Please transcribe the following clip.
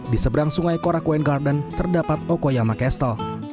di seberang sungai korakuen garden terdapat okayama castle